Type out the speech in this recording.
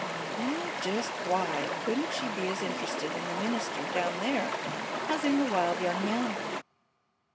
Why, just why couldn't she be as interested in the minister down there as in the wild young man?